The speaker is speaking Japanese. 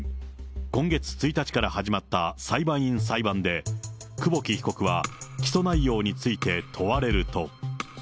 今月１日から始まった裁判員裁判で、久保木被告は起訴内容について問われると。